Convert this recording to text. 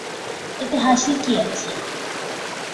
এতে হাসির কি আছে?